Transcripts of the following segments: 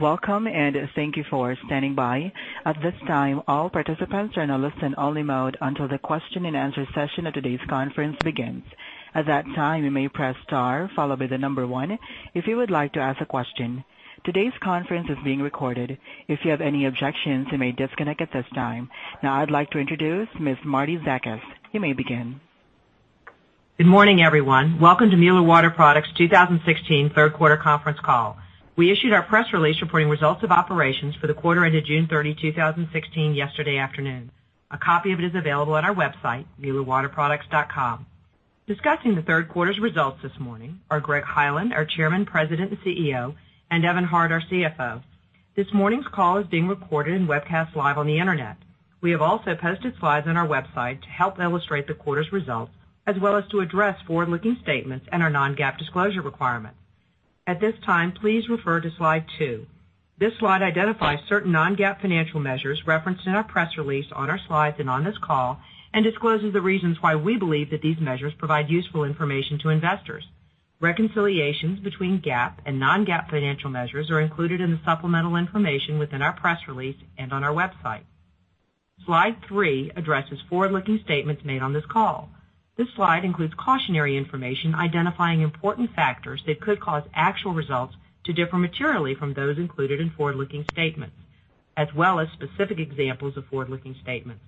Welcome. Thank you for standing by. At this time, all participants are in a listen-only mode until the question-and-answer session of today's conference begins. At that time, you may press star, followed by the number one if you would like to ask a question. Today's conference is being recorded. If you have any objections, you may disconnect at this time. I'd like to introduce Ms. Marty Zakas. You may begin. Good morning, everyone. Welcome to Mueller Water Products' 2016 third quarter conference call. We issued our press release reporting results of operations for the quarter ended June 30, 2016, yesterday afternoon. A copy of it is available on our website, muellerwaterproducts.com. Discussing the third quarter's results this morning are Greg Hyland, our Chairman, President, and CEO, and Evan Hart, our CFO. This morning's call is being recorded and webcast live on the Internet. We have also posted slides on our website to help illustrate the quarter's results, as well as to address forward-looking statements and our non-GAAP disclosure requirements. At this time, please refer to slide two. This slide identifies certain non-GAAP financial measures referenced in our press release, on our slides, and on this call, discloses the reasons why we believe that these measures provide useful information to investors. Reconciliations between GAAP and non-GAAP financial measures are included in the supplemental information within our press release and on our website. Slide three addresses forward-looking statements made on this call. This slide includes cautionary information identifying important factors that could cause actual results to differ materially from those included in forward-looking statements, as well as specific examples of forward-looking statements.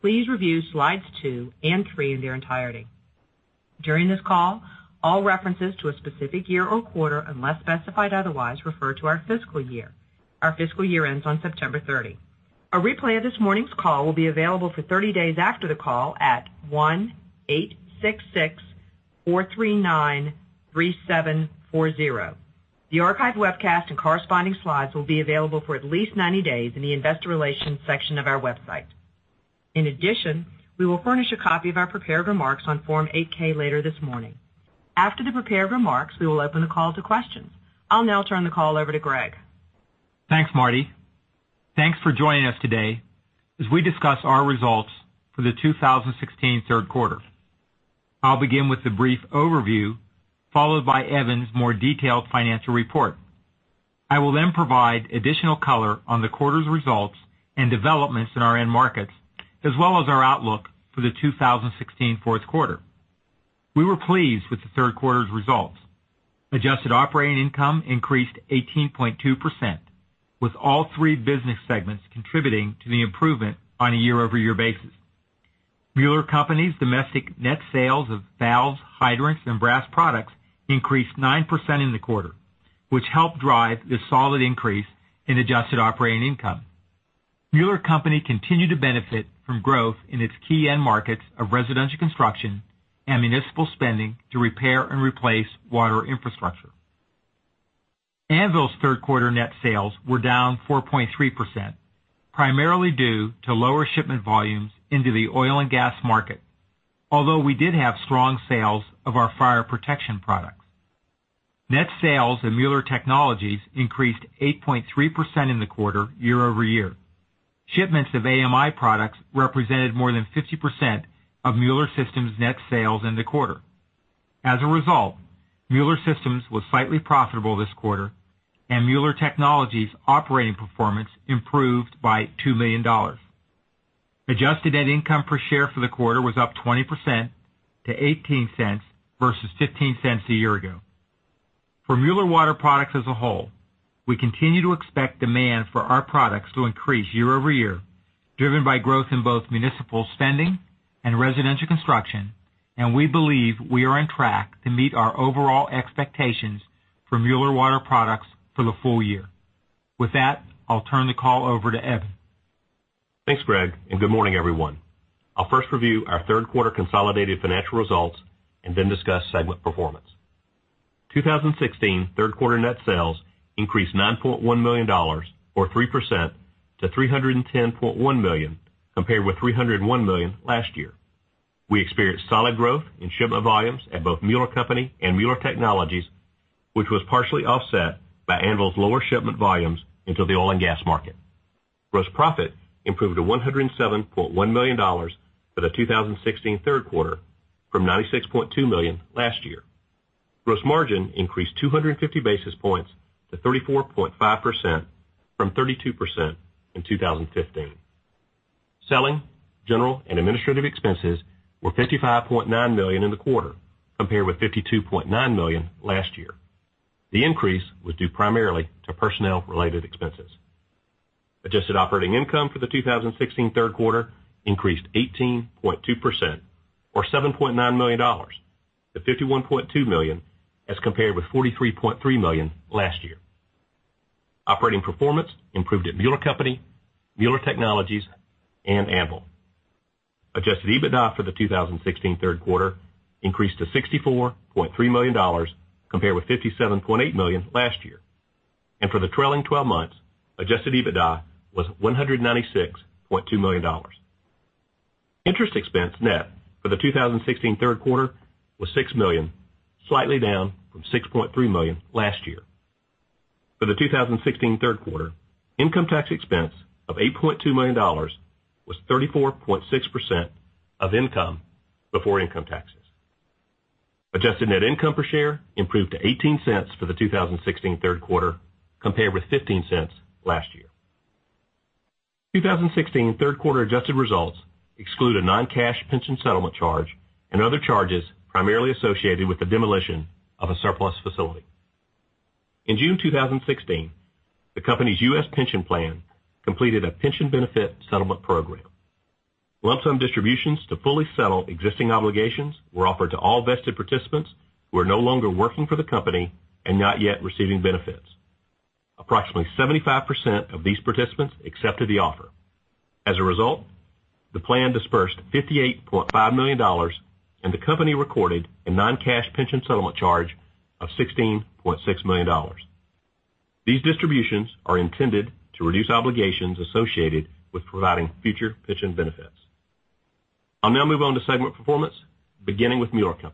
Please review slides two and three in their entirety. During this call, all references to a specific year or quarter, unless specified otherwise, refer to our fiscal year. Our fiscal year ends on September 30. A replay of this morning's call will be available for 30 days after the call at 1-866-439-3740. The archived webcast and corresponding slides will be available for at least 90 days in the investor relations section of our website. We will furnish a copy of our prepared remarks on Form 8-K later this morning. After the prepared remarks, we will open the call to questions. I'll turn the call over to Greg. Thanks, Marty. Thanks for joining us today as we discuss our results for the 2016 third quarter. I'll begin with a brief overview, followed by Evan's more detailed financial report. I will then provide additional color on the quarter's results and developments in our end markets, as well as our outlook for the 2016 fourth quarter. We were pleased with the third quarter's results. Adjusted operating income increased 18.2%, with all three business segments contributing to the improvement on a year-over-year basis. Mueller Company's domestic net sales of valves, hydrants, and brass products increased 9% in the quarter, which helped drive the solid increase in adjusted operating income. Mueller Company continued to benefit from growth in its key end markets of residential construction and municipal spending to repair and replace water infrastructure. Anvil's third-quarter net sales were down 4.3%, primarily due to lower shipment volumes into the oil and gas market. Although we did have strong sales of our fire protection products. Net sales in Mueller Technologies increased 8.3% in the quarter year-over-year. Shipments of AMI products represented more than 50% of Mueller Systems' net sales in the quarter. As a result, Mueller Systems was slightly profitable this quarter, and Mueller Technologies' operating performance improved by $2 million. Adjusted net income per share for the quarter was up 20% to $0.18 versus $0.15 a year ago. For Mueller Water Products as a whole, we continue to expect demand for our products to increase year-over-year, driven by growth in both municipal spending and residential construction, and we believe we are on track to meet our overall expectations for Mueller Water Products for the full year. With that, I'll turn the call over to Evan. Thanks, Greg, and good morning, everyone. I'll first review our third-quarter consolidated financial results and then discuss segment performance. 2016 third-quarter net sales increased $9.1 million or 3% to $310.1 million compared with $301 million last year. We experienced solid growth in shipment volumes at both Mueller Company and Mueller Technologies, which was partially offset by Anvil's lower shipment volumes into the oil and gas market. Gross profit improved to $107.1 million for the 2016 third quarter from $96.2 million last year. Gross margin increased 250 basis points to 34.5% from 32% in 2015. Selling, general, and administrative expenses were $55.9 million in the quarter, compared with $52.9 million last year. The increase was due primarily to personnel-related expenses. Adjusted operating income for the 2016 third quarter increased 18.2%, or $7.9 million, to $51.2 million as compared with $43.3 million last year. Operating performance improved at Mueller Co., Mueller Technologies, and Anvil. Adjusted EBITDA for the 2016 third quarter increased to $64.3 million, compared with $57.8 million last year. For the trailing 12 months, adjusted EBITDA was $196.2 million. Interest expense net for the 2016 third quarter was $6 million, slightly down from $6.3 million last year. For the 2016 third quarter, income tax expense of $8.2 million was 34.6% of income before income taxes. Adjusted net income per share improved to $0.18 for the 2016 third quarter, compared with $0.15 last year. 2016 third quarter adjusted results exclude a non-cash pension settlement charge and other charges primarily associated with the demolition of a surplus facility. In June 2016, the company's U.S. pension plan completed a pension benefit settlement program. Lump sum distributions to fully settle existing obligations were offered to all vested participants who are no longer working for the company and not yet receiving benefits. Approximately 75% of these participants accepted the offer. As a result, the plan dispersed $58.5 million, and the company recorded a non-cash pension settlement charge of $16.6 million. These distributions are intended to reduce obligations associated with providing future pension benefits. I'll now move on to segment performance, beginning with Mueller Co.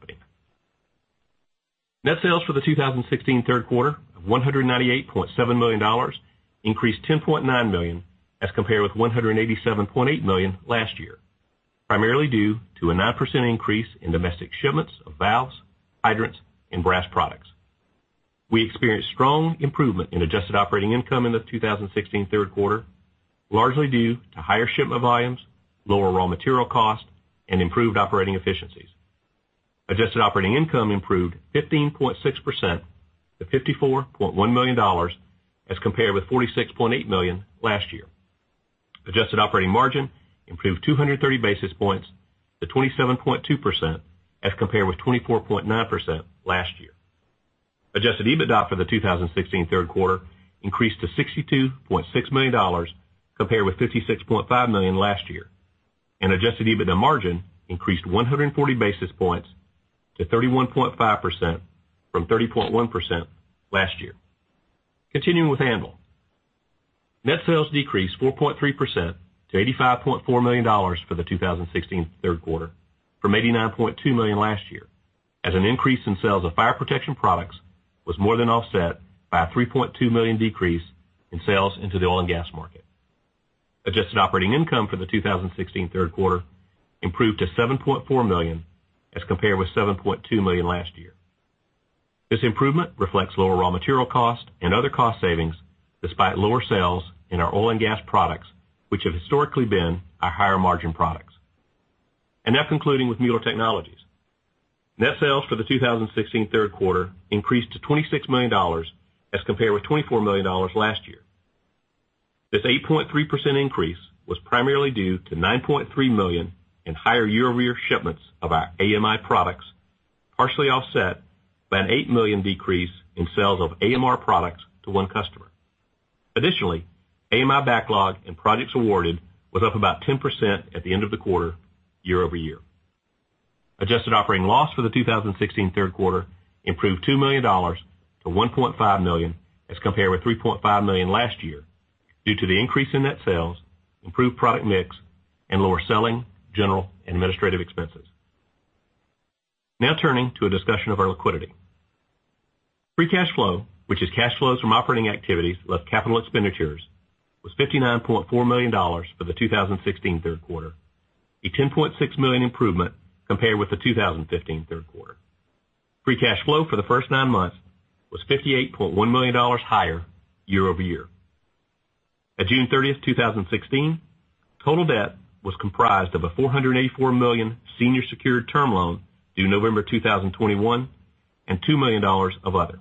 Net sales for the 2016 third quarter of $198.7 million increased $10.9 million as compared with $187.8 million last year, primarily due to a 9% increase in domestic shipments of valves, hydrants, and brass products. We experienced strong improvement in adjusted operating income in the 2016 third quarter, largely due to higher shipment volumes, lower raw material cost, and improved operating efficiencies. Adjusted operating income improved 15.6% to $54.1 million as compared with $46.8 million last year. Adjusted operating margin improved 230 basis points to 27.2% as compared with 24.9% last year. Adjusted EBITDA for the 2016 third quarter increased to $62.6 million, compared with $56.5 million last year, adjusted EBITDA margin increased 140 basis points to 31.5% from 30.1% last year. Continuing with Anvil. Net sales decreased 4.3% to $85.4 million for the 2016 third quarter from $89.2 million last year, as an increase in sales of fire protection products was more than offset by a $3.2 million decrease in sales into the oil and gas market. Adjusted operating income for the 2016 third quarter improved to $7.4 million as compared with $7.2 million last year. This improvement reflects lower raw material cost and other cost savings, despite lower sales in our oil and gas products, which have historically been our higher-margin products. Now concluding with Mueller Technologies. Net sales for the 2016 third quarter increased to $26 million as compared with $24 million last year. This 8.3% increase was primarily due to $9.3 million in higher year-over-year shipments of our AMI products, partially offset by an $8 million decrease in sales of AMR products to one customer. Additionally, AMI backlog and projects awarded was up about 10% at the end of the quarter year-over-year. Adjusted operating loss for the 2016 third quarter improved $2 million to $1.5 million as compared with $3.5 million last year due to the increase in net sales, improved product mix, and lower selling, general, and administrative expenses. Now turning to a discussion of our liquidity. Free cash flow, which is cash flows from operating activities less capital expenditures, was $59.4 million for the 2016 third quarter, a $10.6 million improvement compared with the 2015 third quarter. Free cash flow for the first nine months was $58.1 million higher year-over-year. At June 30th, 2016, total debt was comprised of a $484 million senior secured term loan due November 2021 and $2 million of other.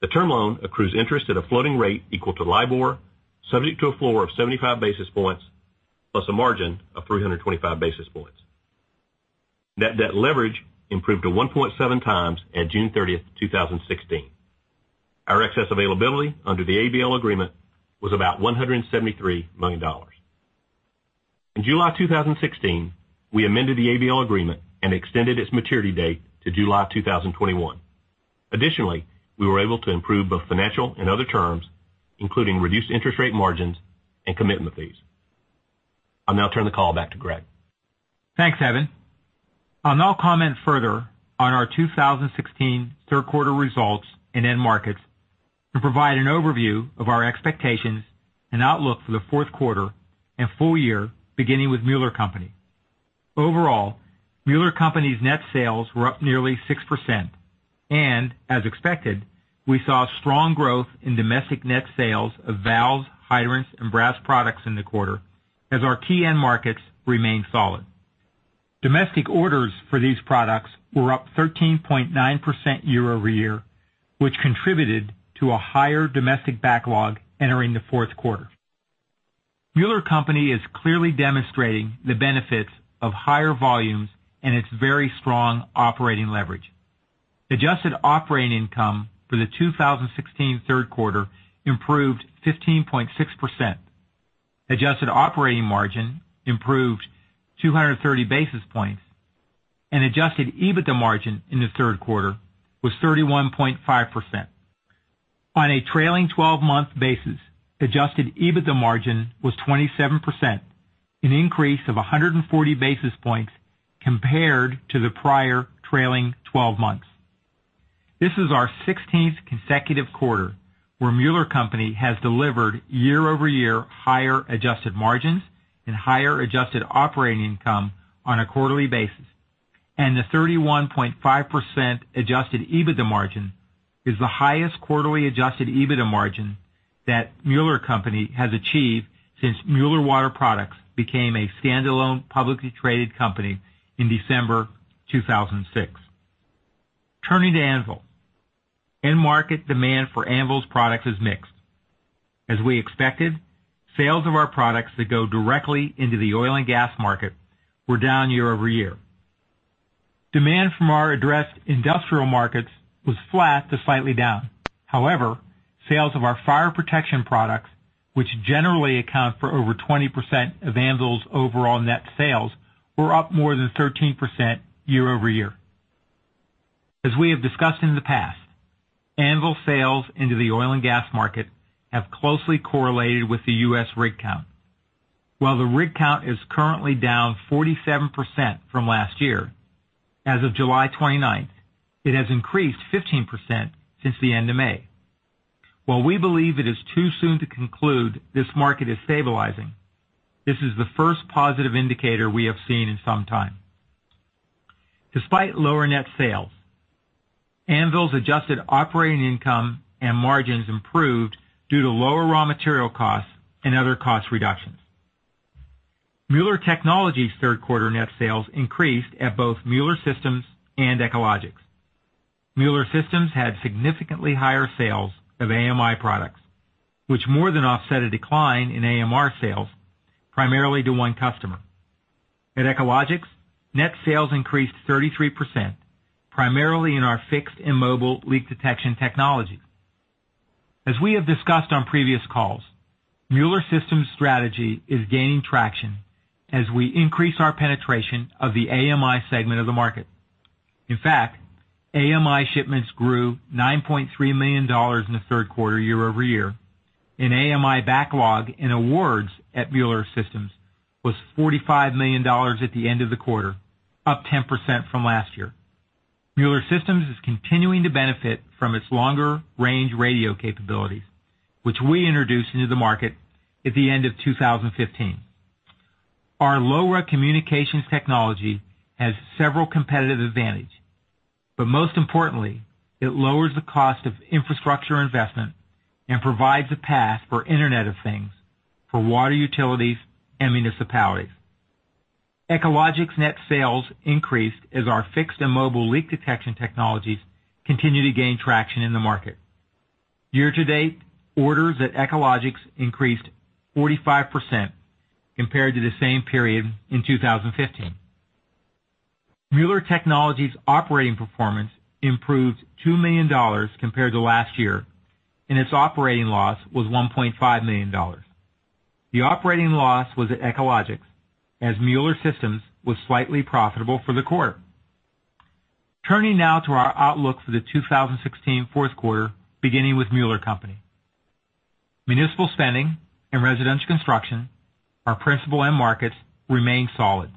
The term loan accrues interest at a floating rate equal to LIBOR, subject to a floor of 75 basis points, plus a margin of 325 basis points. Net debt leverage improved to 1.7 times at June 30th, 2016. Our excess availability under the ABL agreement was about $173 million. In July 2016, we amended the ABL agreement and extended its maturity date to July 2021. We were able to improve both financial and other terms, including reduced interest rate margins and commitment fees. I'll now turn the call back to Greg. Thanks, Evan. I'll now comment further on our 2016 third quarter results in end markets and provide an overview of our expectations and outlook for the fourth quarter and full year, beginning with Mueller Company. Mueller Company's net sales were up nearly 6%, and as expected, we saw strong growth in domestic net sales of valves, hydrants, and brass products in the quarter as our key end markets remained solid. Domestic orders for these products were up 13.9% year-over-year, which contributed to a higher domestic backlog entering the fourth quarter. Mueller Company is clearly demonstrating the benefits of higher volumes and its very strong operating leverage. Adjusted operating income for the 2016 third quarter improved 15.6%. Adjusted operating margin improved 230 basis points, and adjusted EBITDA margin in the third quarter was 31.5%. On a trailing 12-month basis, adjusted EBITDA margin was 27%, an increase of 140 basis points compared to the prior trailing 12 months. This is our 16th consecutive quarter where Mueller Company has delivered year-over-year higher adjusted margins and higher adjusted operating income on a quarterly basis. The 31.5% adjusted EBITDA margin is the highest quarterly adjusted EBITDA margin that Mueller Company has achieved since Mueller Water Products became a standalone publicly traded company in December 2006. Turning to Anvil. End market demand for Anvil's products is mixed. As we expected, sales of our products that go directly into the oil and gas market were down year-over-year. Demand from our addressed industrial markets was flat to slightly down. However, sales of our fire protection products, which generally account for over 20% of Anvil's overall net sales, were up more than 13% year-over-year. As we have discussed in the past, Anvil sales into the U.S. oil and gas market have closely correlated with the U.S. rig count. While the rig count is currently down 47% from last year, as of July 29th, it has increased 15% since the end of May. While we believe it is too soon to conclude this market is stabilizing, this is the first positive indicator we have seen in some time. Despite lower net sales, Anvil's adjusted operating income and margins improved due to lower raw material costs and other cost reductions. Mueller Technologies' third quarter net sales increased at both Mueller Systems and Echologics. Mueller Systems had significantly higher sales of AMI products, which more than offset a decline in AMR sales, primarily to one customer. At Echologics, net sales increased 33%, primarily in our fixed and mobile leak detection technology. As we have discussed on previous calls, Mueller Systems' strategy is gaining traction as we increase our penetration of the AMI segment of the market. In fact, AMI shipments grew $9.3 million in the third quarter year-over-year, and AMI backlog and awards at Mueller Systems was $45 million at the end of the quarter, up 10% from last year. Mueller Systems is continuing to benefit from its longer-range radio capabilities, which we introduced into the market at the end of 2015. Our LoRa communications technology has several competitive advantages, but most importantly, it lowers the cost of infrastructure investment and provides a path for Internet of Things for water utilities and municipalities. Echologics net sales increased as our fixed and mobile leak detection technologies continue to gain traction in the market. Year-to-date, orders at Echologics increased 45% compared to the same period in 2015. Mueller Technologies' operating performance improved $2 million compared to last year, and its operating loss was $1.5 million. The operating loss was at Echologics, as Mueller Systems was slightly profitable for the quarter. Turning now to our outlook for the 2016 fourth quarter, beginning with Mueller Co. Municipal spending and residential construction, our principal end markets, remain solid,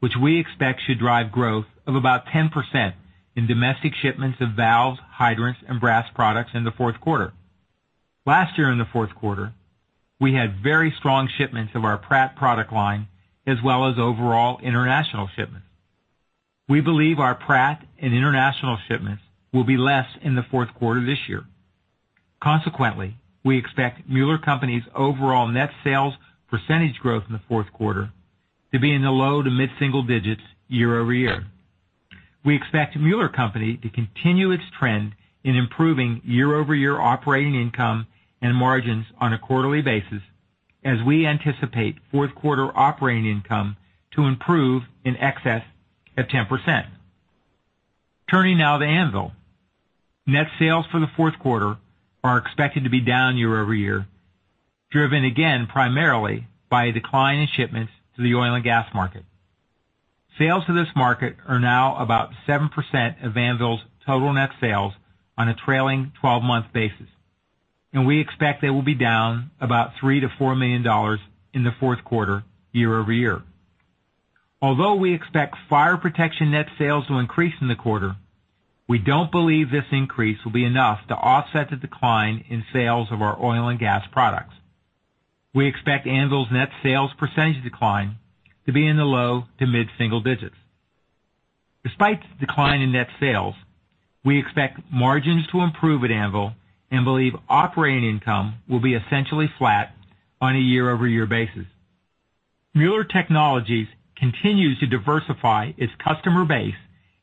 which we expect should drive growth of about 10% in domestic shipments of valves, hydrants, and brass products in the fourth quarter. Last year in the fourth quarter, we had very strong shipments of our Pratt product line as well as overall international shipments. We believe our Pratt and international shipments will be less in the fourth quarter this year. Consequently, we expect Mueller Co.'s overall net sales percentage growth in the fourth quarter to be in the low to mid-single digits year-over-year. We expect Mueller Co. to continue its trend in improving year-over-year operating income and margins on a quarterly basis as we anticipate fourth quarter operating income to improve in excess of 10%. Turning now to Anvil. Net sales for the fourth quarter are expected to be down year-over-year, driven again primarily by a decline in shipments to the oil and gas market. Sales to this market are now about 7% of Anvil's total net sales on a trailing 12-month basis, and we expect they will be down about $3 million-$4 million in the fourth quarter year-over-year. Although we expect fire protection net sales to increase in the quarter, we don't believe this increase will be enough to offset the decline in sales of our oil and gas products. We expect Anvil's net sales percentage decline to be in the low to mid-single digits. Despite the decline in net sales, we expect margins to improve at Anvil and believe operating income will be essentially flat on a year-over-year basis. Mueller Technologies continues to diversify its customer base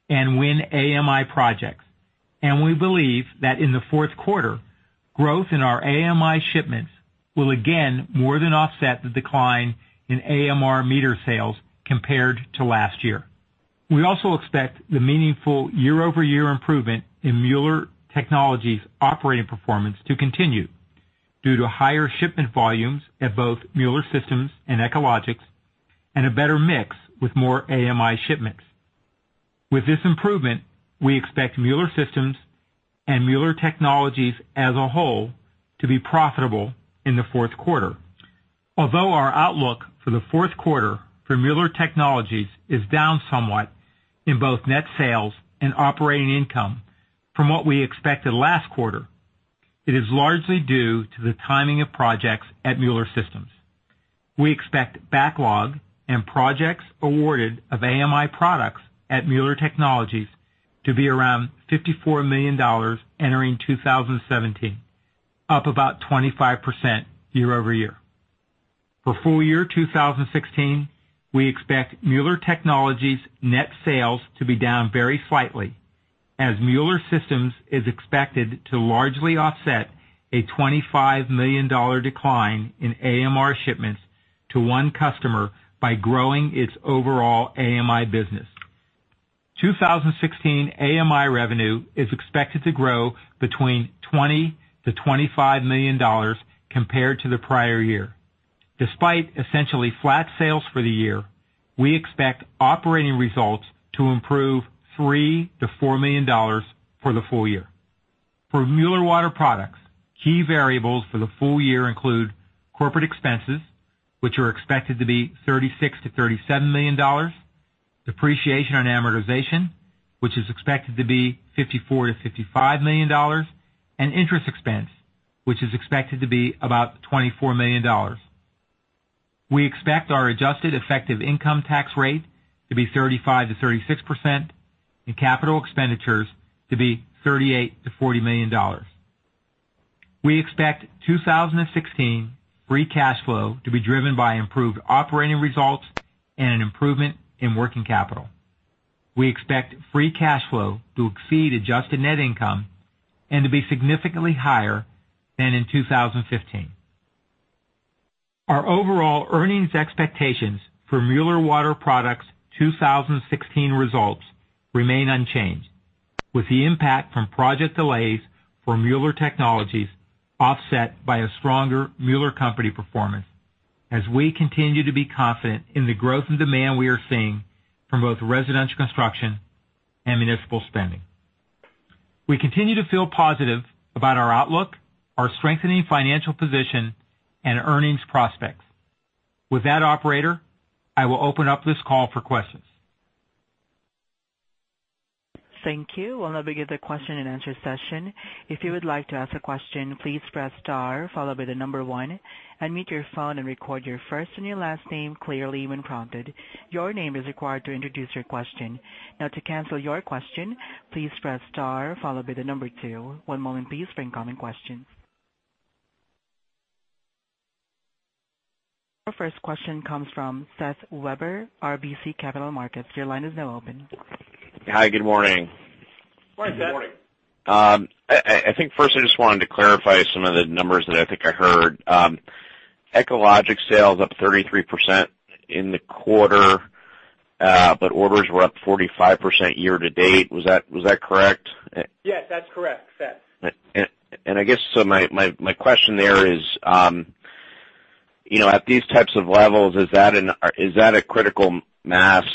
and win AMI projects, and we believe that in the fourth quarter, growth in our AMI shipments will again more than offset the decline in AMR meter sales compared to last year. We also expect the meaningful year-over-year improvement in Mueller Technologies' operating performance to continue due to higher shipment volumes at both Mueller Systems and Echologics and a better mix with more AMI shipments. With this improvement, we expect Mueller Systems and Mueller Technologies as a whole to be profitable in the fourth quarter. Although our outlook for the fourth quarter for Mueller Technologies is down somewhat in both net sales and operating income from what we expected last quarter, it is largely due to the timing of projects at Mueller Systems. We expect backlog and projects awarded of AMI products at Mueller Technologies to be around $54 million entering 2017, up about 25% year-over-year. For full year 2016, we expect Mueller Technologies net sales to be down very slightly as Mueller Systems is expected to largely offset a $25 million decline in AMR shipments to one customer by growing its overall AMI business. 2016 AMI revenue is expected to grow between $20 million-$25 million compared to the prior year. Despite essentially flat sales for the year, we expect operating results to improve $3 million-$4 million for the full year. For Mueller Water Products, key variables for the full year include corporate expenses, which are expected to be $36 million-$37 million, depreciation and amortization, which is expected to be $54 million-$55 million, and interest expense, which is expected to be about $24 million. We expect our adjusted effective income tax rate to be 35%-36%, and capital expenditures to be $38 million-$40 million. We expect 2016 free cash flow to be driven by improved operating results and an improvement in working capital. We expect free cash flow to exceed adjusted net income and to be significantly higher than in 2015. Our overall earnings expectations for Mueller Water Products 2016 results remain unchanged, with the impact from project delays for Mueller Technologies offset by a stronger Mueller Co. performance as we continue to be confident in the growth and demand we are seeing from both residential construction and municipal spending. We continue to feel positive about our outlook, our strengthening financial position, and earnings prospects. With that operator, I will open up this call for questions. Thank you. We'll now begin the question and answer session. If you would like to ask a question, please press star followed by the number 1, unmute your phone and record your first and your last name clearly when prompted. Your name is required to introduce your question. Now to cancel your question, please press star followed by the number 2. One moment please for incoming questions. Your first question comes from Seth Weber, RBC Capital Markets. Your line is now open. Hi, good morning. Good morning. I think first I just wanted to clarify some of the numbers that I think I heard. Echologics sales up 33% in the quarter, but orders were up 45% year to date. Was that correct? Yes, that's correct, Seth. I guess so my question there is, at these types of levels, is that a critical mass?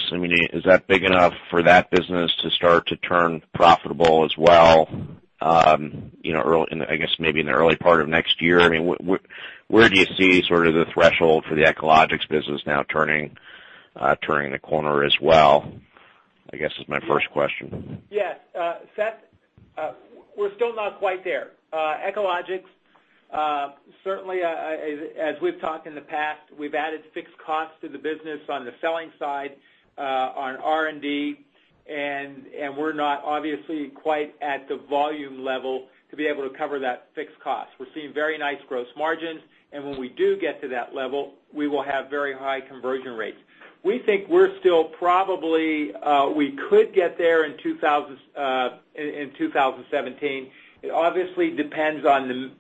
Is that big enough for that business to start to turn profitable as well, I guess maybe in the early part of next year? Where do you see sort of the threshold for the Echologics business now turning the corner as well, I guess is my first question. Yes. Seth, we're still not quite there. Echologics, certainly, as we've talked in the past, we've added fixed costs to the business on the selling side, on R&D. We're not obviously quite at the volume level to be able to cover that fixed cost. We're seeing very nice gross margins, and when we do get to that level, we will have very high conversion rates. We think we could get there in 2017. It obviously depends on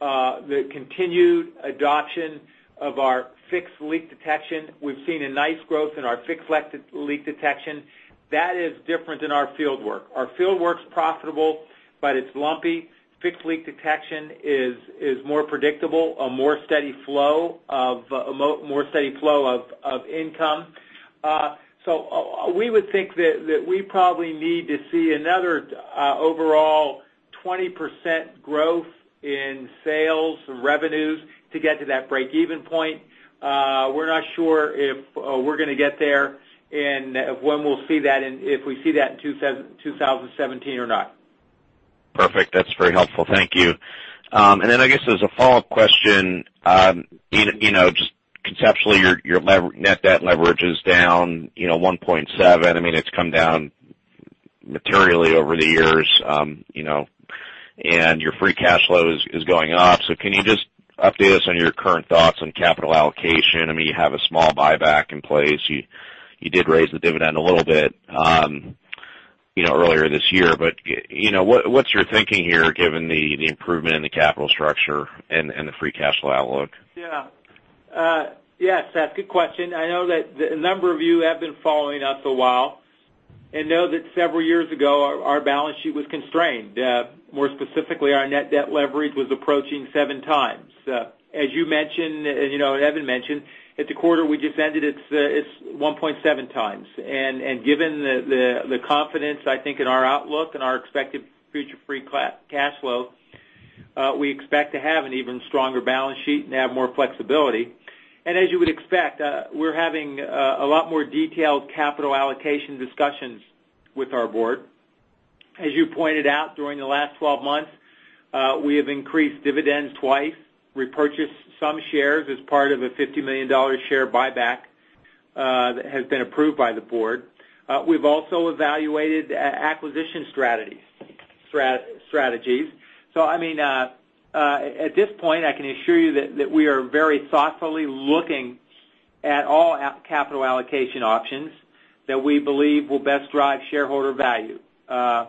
the continued adoption of our fixed leak detection. We've seen a nice growth in our fixed leak detection. That is different than our fieldwork. Our fieldwork's profitable, but it's lumpy. Fixed leak detection is more predictable, a more steady flow of income. We would think that we probably need to see another overall 20% growth in sales revenues to get to that break-even point. We're not sure if we're going to get there and when we'll see that and if we see that in 2017 or not. Perfect. That's very helpful. Thank you. I guess as a follow-up question, just conceptually, your net debt leverage is down 1.7 times. It's come down materially over the years. Your free cash flow is going up. Can you just update us on your current thoughts on capital allocation? You have a small buyback in place. You did raise the dividend a little bit earlier this year, what's your thinking here given the improvement in the capital structure and the free cash flow outlook? Seth, good question. I know that a number of you have been following us a while and know that several years ago, our balance sheet was constrained. More specifically, our net debt leverage was approaching 7 times. As you mentioned, and Evan mentioned, at the quarter we just ended, it's 1.7 times. Given the confidence, I think in our outlook and our expected future free cash flow, we expect to have an even stronger balance sheet and have more flexibility. As you would expect, we're having a lot more detailed capital allocation discussions with our board. As you pointed out, during the last 12 months, we have increased dividends twice, repurchased some shares as part of a $50 million share buyback that has been approved by the board. We've also evaluated acquisition strategies. At this point, I can assure you that we are very thoughtfully looking at all capital allocation options that we believe will best drive shareholder value. I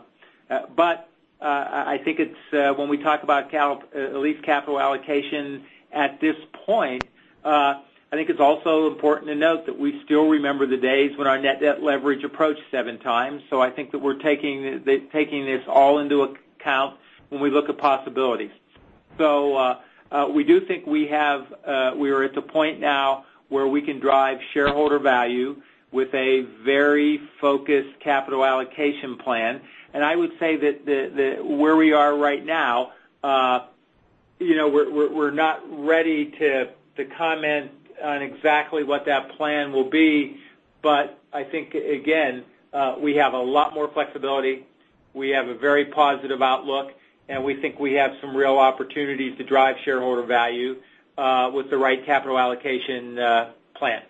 think when we talk about lease capital allocation at this point, I think it's also important to note that we still remember the days when our net debt leverage approached 7 times. I think that we're taking this all into account when we look at possibilities. We do think we are at the point now where we can drive shareholder value with a very focused capital allocation plan. I would say that where we are right now, we're not ready to comment on exactly what that plan will be. I think, again, we have a lot more flexibility. We have a very positive outlook, we think we have some real opportunities to drive shareholder value with the right capital allocation plan.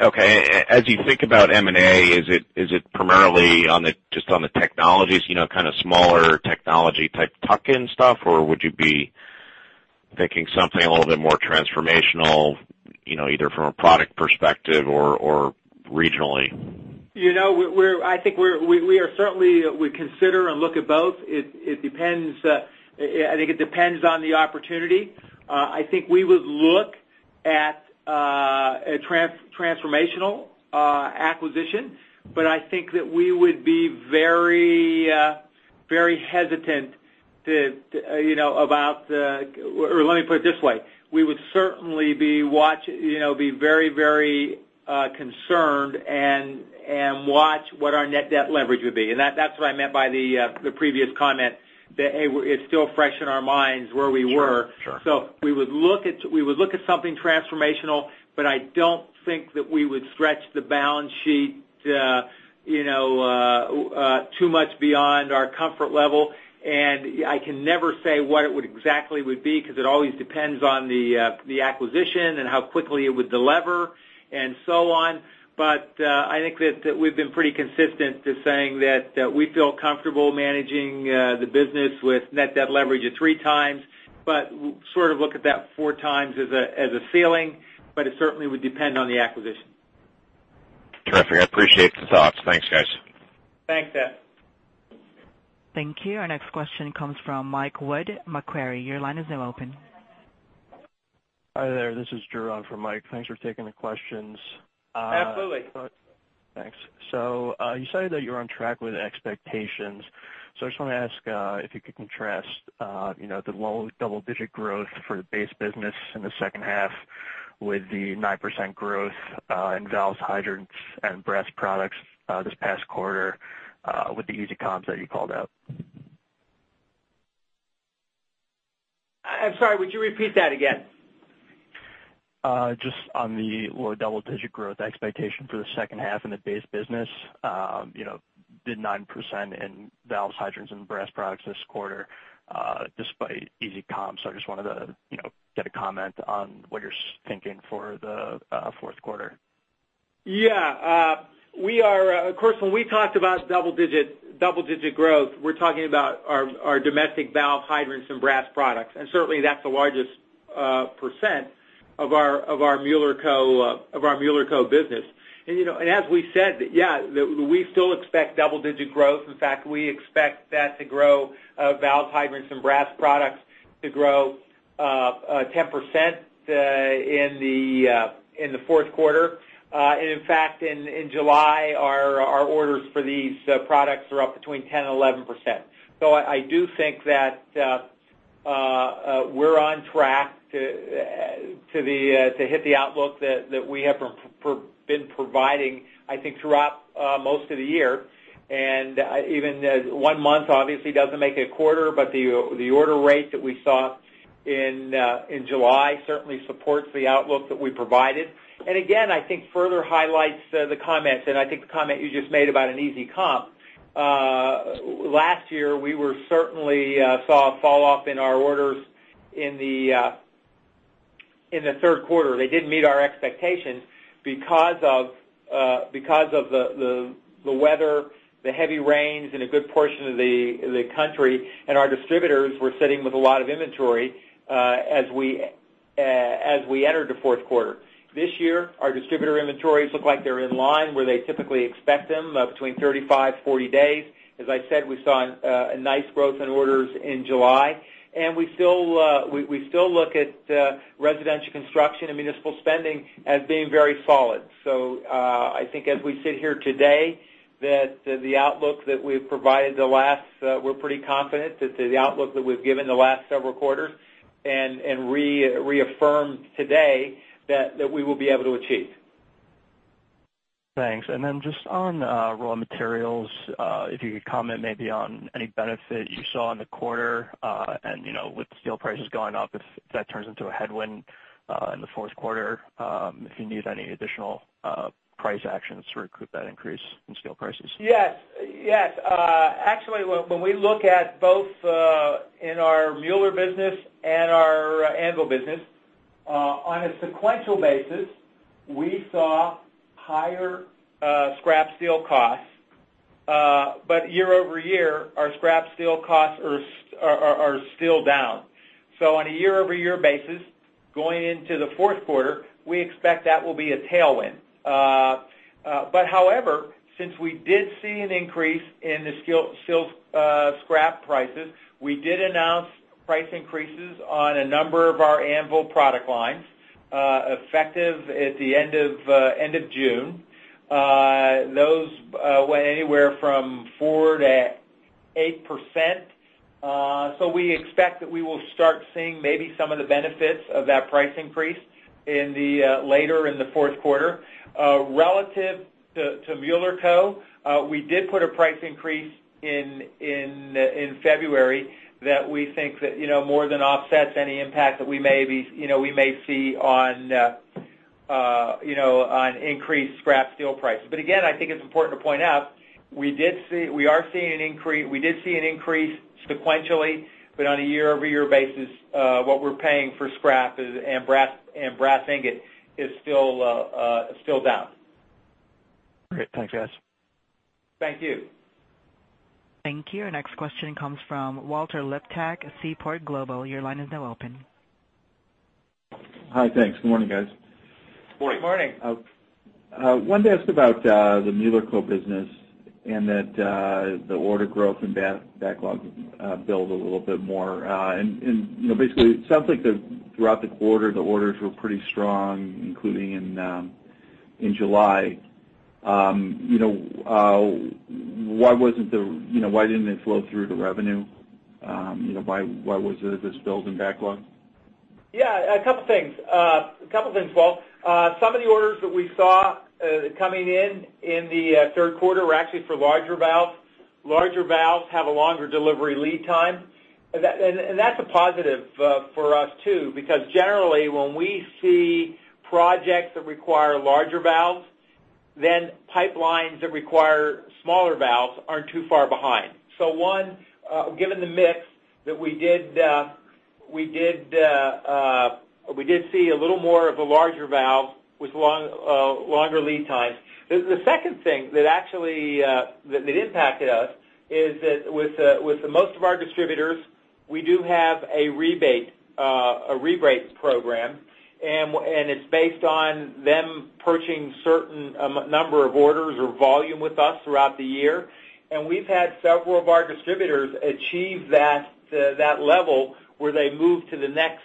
Okay. As you think about M&A, is it primarily just on the technologies, kind of smaller technology type tuck-in stuff, or would you be thinking something a little bit more transformational, either from a product perspective or regionally? I think certainly we consider and look at both. I think it depends on the opportunity. I think we would look at transformational acquisition, but I think that we would be very hesitant. Let me put it this way. We would certainly be very concerned and watch what our net debt leverage would be. That's what I meant by the previous comment, that it's still fresh in our minds where we were. Sure. We would look at something transformational, but I don't think that we would stretch the balance sheet too much beyond our comfort level. I can never say what it would exactly would be, because it always depends on the acquisition and how quickly it would delever and so on. I think that we've been pretty consistent to saying that we feel comfortable managing the business with net debt leverage at 3x, but sort of look at that 4x as a ceiling. It certainly would depend on the acquisition. Terrific. I appreciate the thoughts. Thanks, guys. Thanks, Seth. Thank you. Our next question comes from Mike Wood, Macquarie. Your line is now open. Hi there. This is Jerome for Mike. Thanks for taking the questions. Absolutely. Thanks. You said that you're on track with expectations. I just want to ask if you could contrast the low double-digit growth for the base business in the second half with the 9% growth in valves, hydrants, and brass products this past quarter with the easy comps that you called out. I'm sorry, would you repeat that again? Just on the low double-digit growth expectation for the second half in the base business. Did 9% in valves, hydrants, and brass products this quarter despite easy comps. I just wanted to get a comment on what you're thinking for the fourth quarter. Yeah. Of course, when we talked about double-digit growth, we're talking about our domestic valve, hydrants, and brass products. Certainly, that's the largest percent of our Mueller Co. business. As we said, yeah, we still expect double-digit growth. In fact, we expect valve hydrants and brass products to grow 10% in the fourth quarter. In fact, in July, our orders for these products are up between 10% and 11%. I do think that we're on track to hit the outlook that we have been providing, I think, throughout most of the year. Even one month obviously doesn't make a quarter, but the order rate that we saw in July certainly supports the outlook that we provided. Again, I think further highlights the comments, and I think the comment you just made about an easy comp. Last year, we certainly saw a fall off in our orders in the third quarter. They didn't meet our expectations because of the weather, the heavy rains in a good portion of the country, and our distributors were sitting with a lot of inventory as we entered the fourth quarter. This year, our distributor inventories look like they're in line where they typically expect them, between 35, 40 days. As I said, we saw a nice growth in orders in July. We still look at residential construction and municipal spending as being very solid. I think as we sit here today, we're pretty confident that the outlook that we've given the last several quarters and reaffirmed today that we will be able to achieve. Thanks. Just on raw materials, if you could comment maybe on any benefit you saw in the quarter, with steel prices going up, if that turns into a headwind in the fourth quarter, if you need any additional price actions to recoup that increase in steel prices. Yes. Actually, when we look at both in our Mueller business and our Anvil business, on a sequential basis, we saw higher scrap steel costs. Year-over-year, our scrap steel costs are still down. On a year-over-year basis, going into the fourth quarter, we expect that will be a tailwind. However, since we did see an increase in the steel scrap prices, we did announce price increases on a number of our Anvil product lines, effective at the end of June. Those went anywhere from 4%-8%. We expect that we will start seeing maybe some of the benefits of that price increase later in the fourth quarter. Relative to Mueller Co, we did put a price increase in February that we think that more than offsets any impact that we may see on increased scrap steel prices. Again, I think it's important to point out, we did see an increase sequentially, on a year-over-year basis, what we're paying for scrap and brass ingot is still down. Great. Thanks, guys. Thank you. Thank you. Our next question comes from Walter Liptak of Seaport Global. Your line is now open. Hi, thanks. Good morning, guys. Good morning. Good morning. Wanted to ask about the Mueller Co business and the order growth and backlog build a little bit more. Basically, it sounds like throughout the quarter, the orders were pretty strong, including in July. Why didn't it flow through to revenue? Why was there this build in backlog? Yeah, a couple things, Walt. Some of the orders that we saw coming in in the third quarter were actually for larger valves. Larger valves have a longer delivery lead time. That's a positive for us, too, because generally when we see projects that require larger valves, then pipelines that require smaller valves aren't too far behind. One, given the mix that we did see a little more of the larger valves with longer lead times. The second thing that actually impacted us is that with the most of our distributors, we do have a rebate program, and it's based on them purchasing a certain number of orders or volume with us throughout the year. We've had several of our distributors achieve that level where they move to the next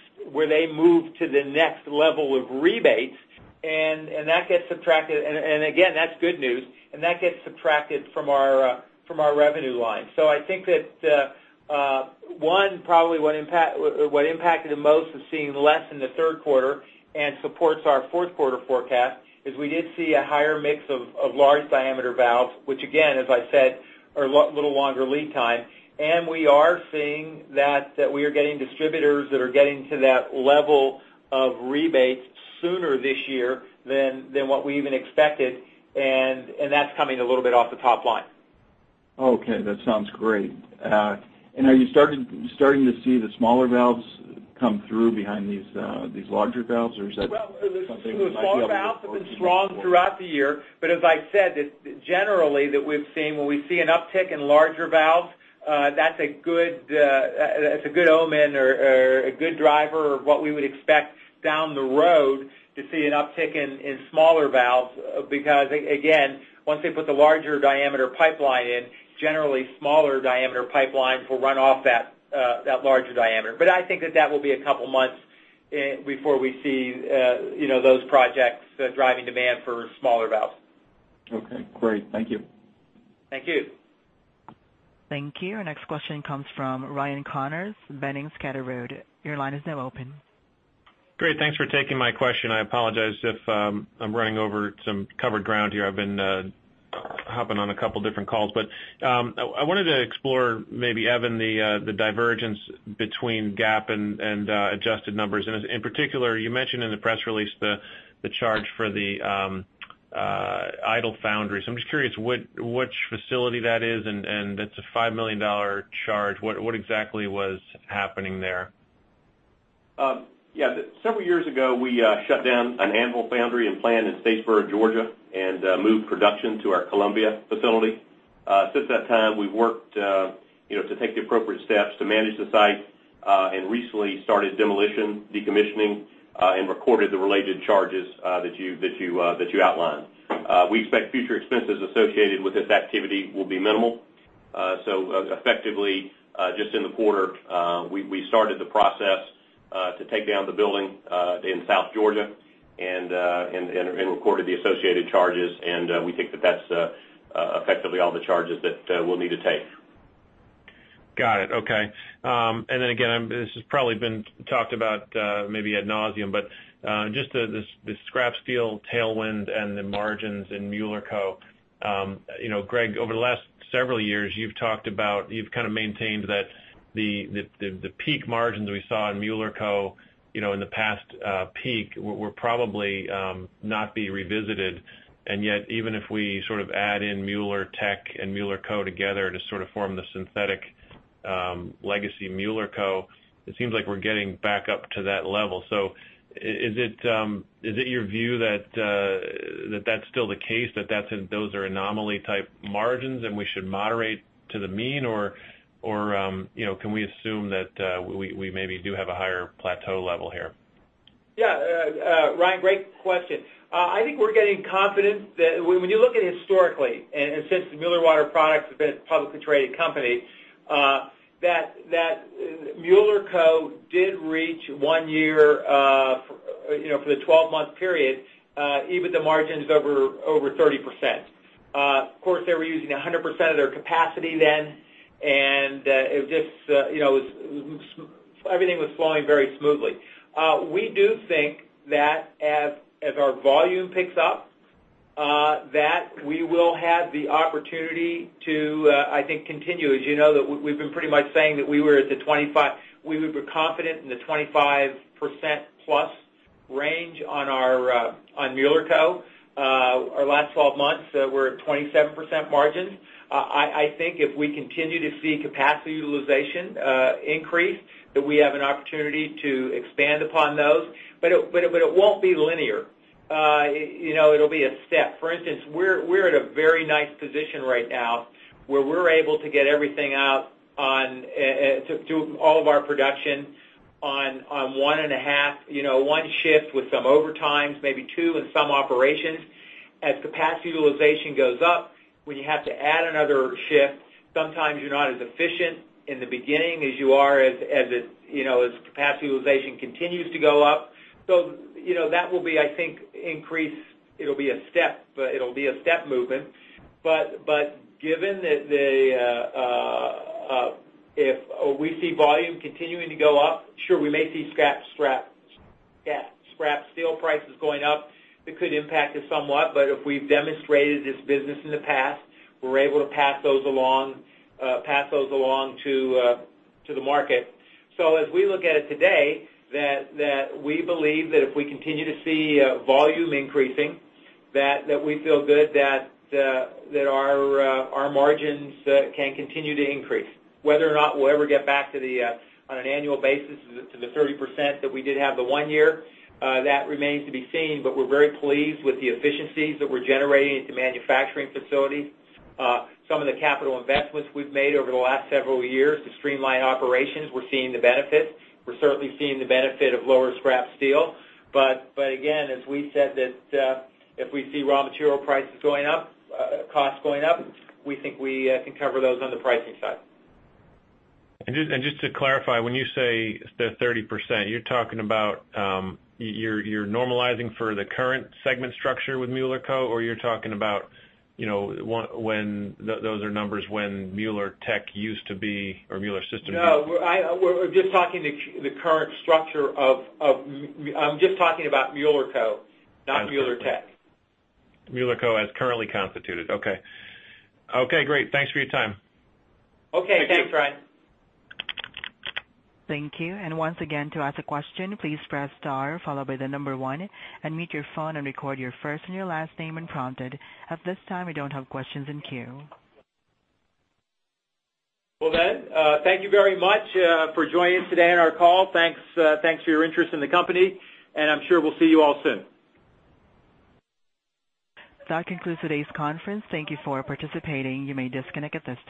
level of rebates. Again, that's good news. That gets subtracted from our revenue line. I think that, one, probably what impacted the most was seeing less in the third quarter and supports our fourth quarter forecast is we did see a higher mix of large diameter valves, which again, as I said, are little longer lead time. We are seeing that we are getting distributors that are getting to that level of rebates sooner this year than what we even expected. That's coming a little bit off the top line. Okay. That sounds great. Are you starting to see the smaller valves come through behind these larger valves, or is that something that might be a little bit more- Well, the smaller valves have been strong throughout the year. As I said, generally that we've seen when we see an uptick in larger valves, that's a good omen or a good driver of what we would expect down the road to see an uptick in smaller valves. Again, once they put the larger diameter pipeline in, generally smaller diameter pipelines will run off that larger diameter. I think that that will be a couple of months before we see those projects driving demand for smaller valves. Okay, great. Thank you. Thank you. Thank you. Our next question comes from Ryan Connors, Boenning & Scattergood. Your line is now open. Great. Thanks for taking my question. I apologize if I'm running over some covered ground here. I've been hopping on a couple different calls. I wanted to explore maybe, Evan, the divergence between GAAP and adjusted numbers. In particular, you mentioned in the press release the charge for the idle foundry. I'm just curious which facility that is, and it's a $5 million charge. What exactly was happening there? Several years ago, we shut down an Anvil foundry and plant in Statesboro, Georgia, and moved production to our Columbia facility. Since that time, we've worked to take the appropriate steps to manage the site, and recently started demolition, decommissioning, and recorded the related charges that you outlined. We expect future expenses associated with this activity will be minimal. Effectively, just in the quarter, we started the process to take down the building in South Georgia and recorded the associated charges. We think that that's effectively all the charges that we'll need to take. Got it. Okay. Then again, this has probably been talked about maybe ad nauseam, but just the scrap steel tailwind and the margins in Mueller Co. Greg, over the last several years, you've kind of maintained that the peak margins we saw in Mueller Co. in the past peak will probably not be revisited. And yet, even if we sort of add in Mueller Tech and Mueller Co. together to sort of form the synthetic legacy Mueller Co., it seems like we're getting back up to that level. Is it your view that that's still the case, that those are anomaly type margins and we should moderate to the mean, or can we assume that we maybe do have a higher plateau level here? Yeah. Ryan, great question. I think we're getting confidence that when you look at historically, and since Mueller Water Products has been a publicly traded company, that Mueller Co did reach one year for the 12-month period even the margins over 30%. Of course, they were using 100% of their capacity then, and everything was flowing very smoothly. We do think that as our volume picks up, that we will have the opportunity to, I think, continue. As you know, that we've been pretty much saying that we were confident in the 25% plus range on Mueller Co. Our last 12 months, we're at 27% margins. I think if we continue to see capacity utilization increase, that we have an opportunity to expand upon those, but it won't be linear. It'll be a step. For instance, we're at a very nice position right now where we're able to get everything out to do all of our production on one and a half, one shift with some overtimes, maybe two in some operations. As capacity utilization goes up, when you have to add another shift, sometimes you're not as efficient in the beginning as you are as capacity utilization continues to go up. That will be, I think, increase. It'll be a step movement, but given that if we see volume continuing to go up, sure, we may see scrap steel prices going up. It could impact us somewhat, but if we've demonstrated this business in the past, we're able to pass those along to the market. As we look at it today, that we believe that if we continue to see volume increasing, that we feel good that our margins can continue to increase. Whether or not we'll ever get back on an annual basis to the 30% that we did have the one year, that remains to be seen, but we're very pleased with the efficiencies that we're generating at the manufacturing facility. Some of the capital investments we've made over the last several years to streamline operations, we're seeing the benefit. We're certainly seeing the benefit of lower scrap steel. Again, as we said, that if we see raw material prices going up, costs going up, we think we can cover those on the pricing side. Just to clarify, when you say the 30%, you're normalizing for the current segment structure with Mueller Co, or you're talking about those are numbers when Mueller Tech used to be, or Mueller Systems used to be? No, we're just talking the current structure of I'm just talking about Mueller Co, not Mueller Tech. Mueller Co as currently constituted. Okay. Okay, great. Thanks for your time. Okay. Thanks, Ryan. Thank you. Once again, to ask a question, please press star followed by the number one. Unmute your phone and record your first and your last name when prompted. At this time, we don't have questions in queue. Thank you very much for joining us today on our call. Thanks for your interest in the company. I'm sure we'll see you all soon. That concludes today's conference. Thank you for participating. You may disconnect at this time.